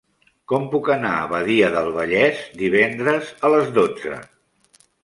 Com puc anar a Badia del Vallès divendres a les dotze?